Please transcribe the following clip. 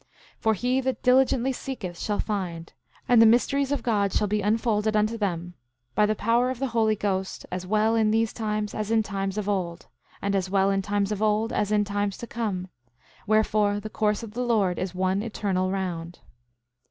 10:19 For he that diligently seeketh shall find; and the mysteries of God shall be unfolded unto them, by the power of the Holy Ghost, as well in these times as in times of old, and as well in times of old as in times to come; wherefore, the course of the Lord is one eternal round.